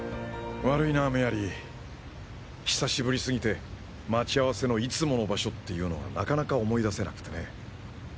悪いなメアリー久しぶりすぎて待ち合わせのいつもの場所っていうのがなかなか思い出せなくてね